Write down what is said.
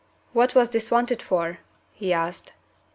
"What was this wanted for?" he asked.